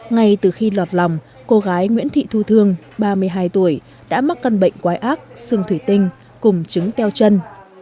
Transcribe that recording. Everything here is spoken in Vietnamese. ngay từ khi lọt lòng cô gái nguyễn thị thu thương ba mươi hai tuổi đã mắc căn bệnh quái ác xương thủy tinh cùng trứng teo chân